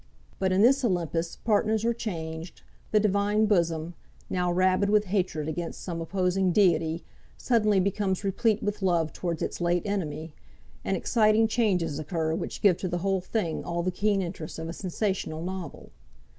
But in this Olympus partners are changed, the divine bosom, now rabid with hatred against some opposing deity, suddenly becomes replete with love towards its late enemy, and exciting changes occur which give to the whole thing all the keen interest of a sensational novel.